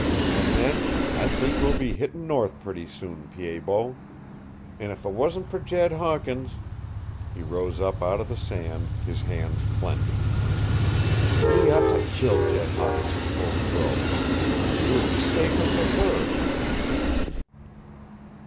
And then I think we'll be hittin' north pretty soon, Pied Bot. If it wasn't for Jed Hawkins " He rose up out of the sand, his hands clenched. "We ought to kill Jed Hawkins before we go. It would be safer for her," he finished.